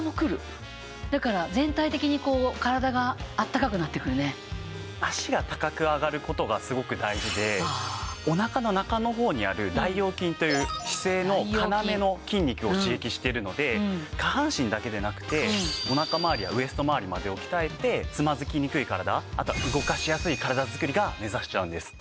だから脚が高く上がる事がすごく大事でお腹の中の方にある大腰筋という姿勢の要の筋肉を刺激しているので下半身だけでなくてお腹まわりやウエストまわりまでを鍛えてつまずきにくい体あとは動かしやすい体作りが目指せちゃうんです。